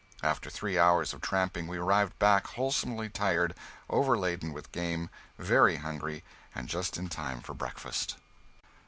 After three hours of tramping we arrived back wholesomely tired, overladen with game, very hungry, and just in time for breakfast.